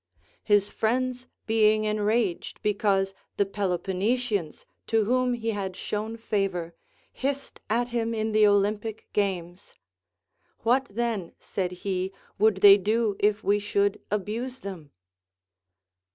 His friends being enraged because the Peloponnesians, to Avhom he had shown favor, hissed at him in the Olympic games. What then, said he, would they do if we should abuse them